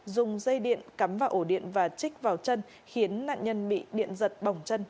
dùng dây điện cắm vào ổ điện và trích vào chân khiến nạn nhân bị điện giật bỏng chân